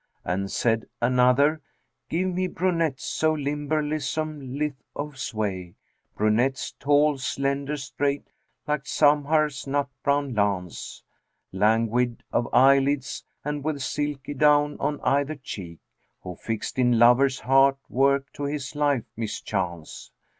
And saith another, 'Give me brunettes, so limber, lissom, lithe of sway, * Brunettes tall, slender straight like Samhar's nut brown lance;[FN#380] Languid of eyelids and with silky down on either cheek, * Who fixed in lover's heart work to his life mischance.'